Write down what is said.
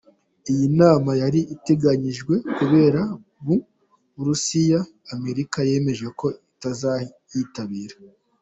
Iyi nama yari iteganyijwe kubera mu Burusiya, Amerika yemeje ko itazayitabira.